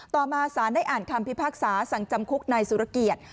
ต่อมาสารได้อ่านคำพิพากษาสั่งจำคุกนายสุรเกียรติ